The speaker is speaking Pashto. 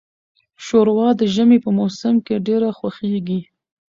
شوروا د ژمي په موسم کې ډیره خوښیږي.